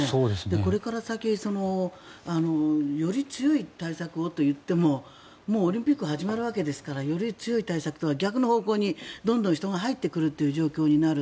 これから先より強い対策をといってももうオリンピックが始まるわけですからより強い対策とは逆の方向にどんどん人が入ってくる状況になる。